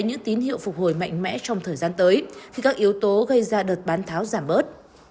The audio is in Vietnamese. những tín hiệu phục hồi mạnh mẽ trong thời gian tới khi các yếu tố gây ra đợt bán tháo giảm bớt